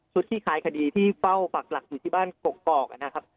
ที่คลายคดีที่เฝ้าปากหลักอยู่ที่บ้านกกอกนะครับ